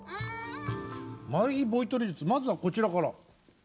マイボイトレ術まずはこちらから。